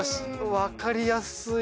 分かりやすい？